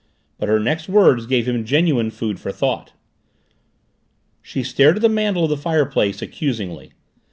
But her next words gave him genuine food for thought. She stared at the mantel of the fireplace accusingly.